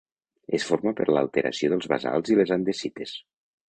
Es forma per l'alteració dels basalts i les andesites.